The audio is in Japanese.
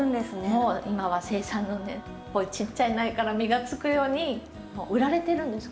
もう今はこういうちっちゃい苗から実がつくようにもう売られてるんですこういう状態で。